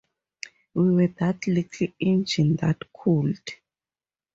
We were that little engine that could.